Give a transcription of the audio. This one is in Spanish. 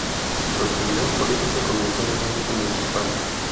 Su actividad política comenzó en el ámbito municipal.